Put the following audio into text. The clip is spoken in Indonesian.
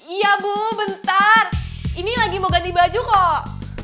iya bu bentar ini lagi mau ganti baju kok